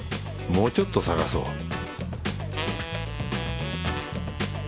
もうちょっと探そう